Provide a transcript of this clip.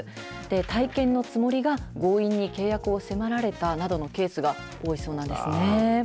体験のつもりが強引に契約を迫られたなどのケースが多いそうなんですね。